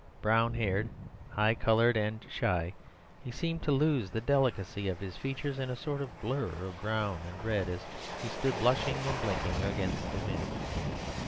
Brown haired, high coloured, and shy, he seemed to lose the delicacy of his features in a sort of blur of brown and red as he stood blushing and blinking against the wind.